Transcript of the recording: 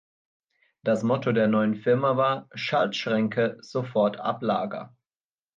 Das Motto der neuen Firma war „Schaltschränke sofort ab Lager“.